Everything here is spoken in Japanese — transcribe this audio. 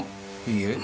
いいえ。